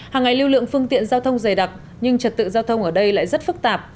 hàng ngày lưu lượng phương tiện giao thông dày đặc nhưng trật tự giao thông ở đây lại rất phức tạp